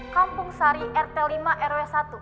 kampung sari rt lima rw satu